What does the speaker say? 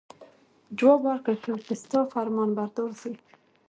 جواب ورکړل شو چې ستا فرمانبردار زوی.